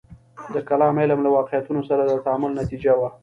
د کلام علم له واقعیتونو سره د تعامل نتیجه وه.